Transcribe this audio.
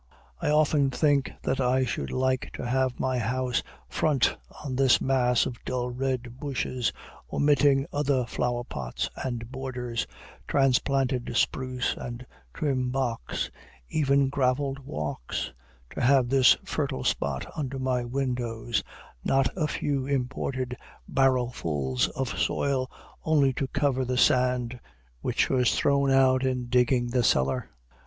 I often think that I should like to have my house front on this mass of dull red bushes, omitting other flower pots and borders, transplanted spruce and trim box, even graveled walks, to have this fertile spot under my windows, not a few imported barrow fulls of soil only to cover the sand which was thrown out in digging the cellar.